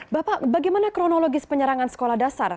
bapak bagaimana kronologis penyerangan sekolah dasar